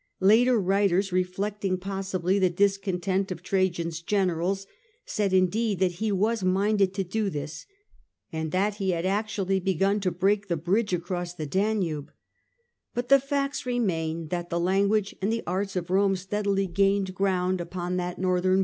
Later writers, reflecting possibly the discontent of Trajan's generals, said indeed that he was minded to do this, and that he had ac tually begun to break the bridge across the Danube ; but the facts remain, that the language and the arts of Rome steadily gained ground upon that northern 52 The Age of the Antonines. a.d.